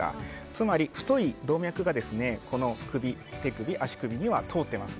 つまり太い動脈が首、手首、足首には通っています。